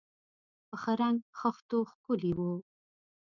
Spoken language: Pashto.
په ښه رنګ خښتو ښکلي و.